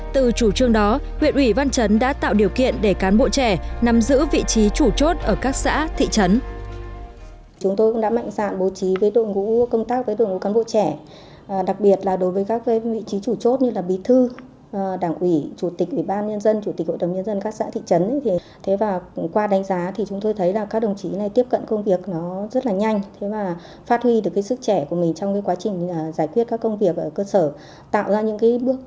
theo chủ trương đó huyện ủy văn trấn đã tạo điều kiện để cán bộ trẻ nằm giữ vị trí chủ chốt ở các xã thị trấn